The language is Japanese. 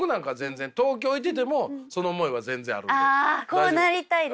こうなりたいです。